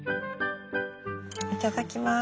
いただきます。